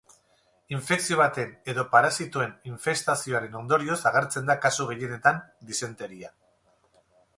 Infekzio baten edo parasitoen infestazioaren ondorioz agertzen da kasu gehienetan disenteria.